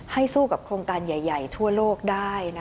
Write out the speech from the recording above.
สู้กับโครงการใหญ่ทั่วโลกได้